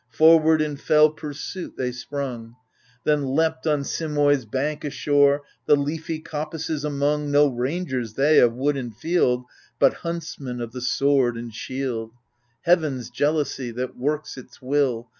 Forward in fell pursuit they sprung, Then leapt on Simois' bank ashore. The leafy coppices among — No rangers, they, of wood and field. But huntsmen of the sword and shield. Heaven's jealousy, that works its will.